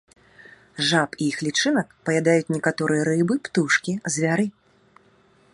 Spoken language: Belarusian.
Жаб і іх лічынак паядаюць некаторыя рыбы, птушкі, звяры.